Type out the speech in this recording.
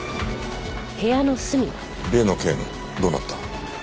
例の件どうなった？